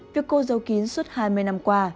việc cô giấu kín suốt hai mươi năm qua